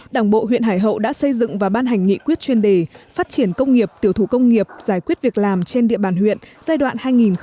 đảng bộ huyện hải hậu đã xây dựng và ban hành nghị quyết chuyên đề phát triển công nghiệp tiểu thủ công nghiệp giải quyết việc làm trên địa bàn huyện giai đoạn hai nghìn hai mươi một hai nghìn hai mươi năm